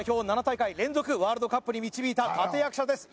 ７大会連続ワールドカップに導いた立役者です